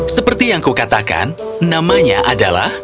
seperti yang kukatakan namanya adalah